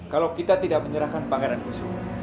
kalau kita tidak menyerahkan pangeran push